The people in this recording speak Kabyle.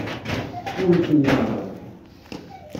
Ad awen-ten-yeɛṛeḍ?